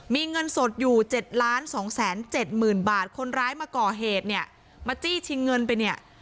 มีเงินสดอยู่๗๒๗๐๐๐บาทคนร้ายมาก่อเหตุเนี่ยมาจี้ชิงเงินไปเนี่ย